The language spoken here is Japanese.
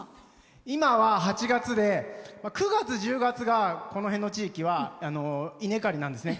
今は８月で、９月、１０月がこの辺の地域は稲刈りなんですね。